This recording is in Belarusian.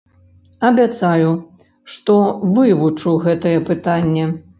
Абяцаю, што вывучу гэтае пытанне.